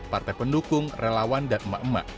partai pendukung relawan dan emak emak